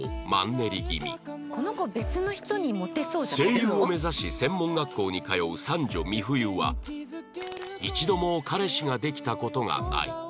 声優を目指し専門学校に通う三女美冬は一度も彼氏ができた事がない